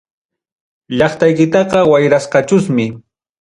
Llaqtaykitaqa wayrasqachusmi.